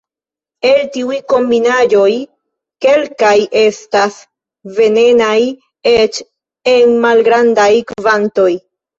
El tiuj kombinaĵoj, kelkaj estas venenaj, eĉ en malgrandaj kvantoj.